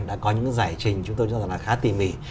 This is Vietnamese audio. đã có những giải trình chúng tôi cho rằng là khá tỉ mỉ